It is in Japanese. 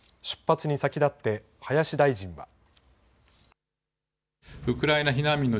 出発に先立って、林大臣は。